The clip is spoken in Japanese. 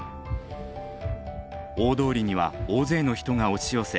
大通りには大勢の人が押し寄せ